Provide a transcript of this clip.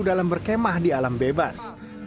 dalam berkemah di alam bebas